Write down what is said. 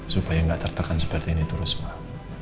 supaya nggak tertekan seperti ini terus pak